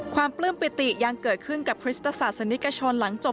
ความปลื้มปิติยังเกิดขึ้นกับคริสตสนิกชน